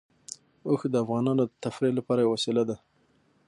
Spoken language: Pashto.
اوښ د افغانانو د تفریح لپاره یوه وسیله ده.